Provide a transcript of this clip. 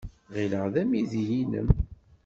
Ɣileɣ d amidi-nnem.